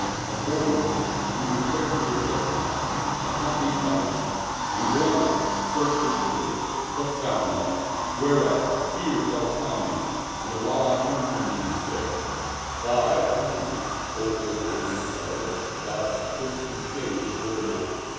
" Accordingly we re paired to the Judge's house, accompanied by the Chief, and going up, searched it through, but found naught; whereat fear fell upon me and the Wali turned to me and said, " Fie upon thee, O ill omened fellow I thou hast put us to shame before the men."